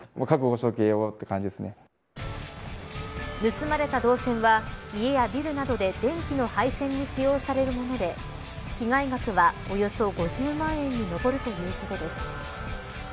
盗まれた銅線は家やビルなどで電気の配線に使用されるもので被害額はおよそ５０万円に上るということです。